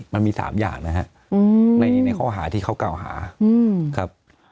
มันมีสามอย่างนะฮะอืมในในข้อหาที่เขากล่าวหาอืมครับ